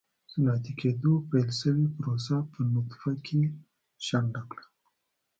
صنعتي کېدو پیل شوې پروسه په نطفه کې شنډه کړه.